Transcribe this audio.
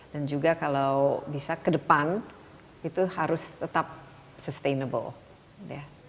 dan juga kalau bisa ke depan itu harus tetap sustainable